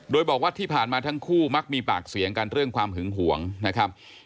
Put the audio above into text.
โดยบอกว่าที่ผ่านมาทั้งคู่มักมีปากเสียงกันเรื่องความหึงหวงนะครับ